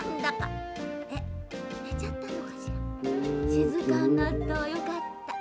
しずかになったわよかった。